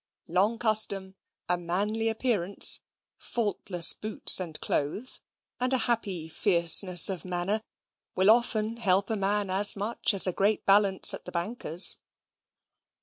Long custom, a manly appearance, faultless boots and clothes, and a happy fierceness of manner, will often help a man as much as a great balance at the banker's.